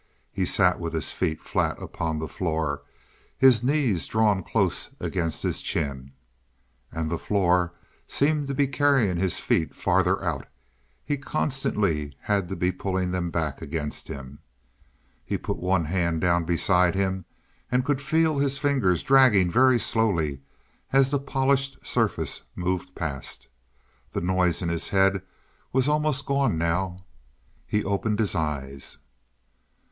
He sat with his feet flat upon the floor, his knees drawn close against his chin. And the floor seemed to be carrying his feet farther out; he constantly had to be pulling them back against him. He put one hand down beside him, and could feel his fingers dragging very slowly as the polished surface moved past. The noise in his head was almost gone now. He opened his eyes.